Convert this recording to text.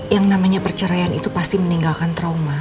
yang namanya perceraian itu pasti meninggalkan trauma